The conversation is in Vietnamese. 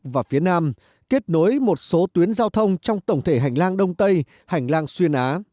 với một số tuyến giao thông trong tổng thể hành lang đông tây hành lang xuyên á